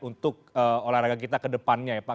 untuk olahraga kita kedepannya ya pak